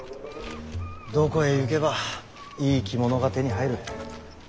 どこへ行けばいい着物が手に入る。